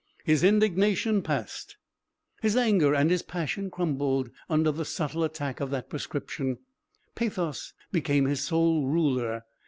His indignation passed, his anger and his passion crumbled under the subtle attack of that prescription, pathos became his sole ruler.